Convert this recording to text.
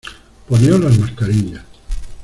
poneos las mascarillas.